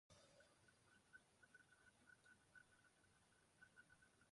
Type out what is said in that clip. Taya wanatokea takriban nchi zote za Afrika kusini kwa Sahara.